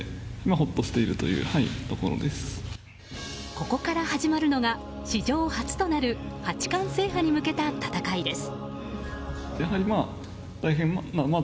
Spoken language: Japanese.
ここから始まるのが史上初となる八冠制覇に向けた戦いです。